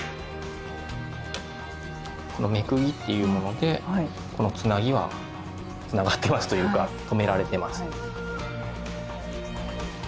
この目釘っていうものでこのつなぎはつながってますというかとめられてます。